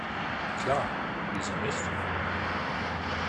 Klar, wieso nicht?